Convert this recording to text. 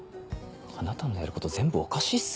あなたのやること全部おかしいっすよ。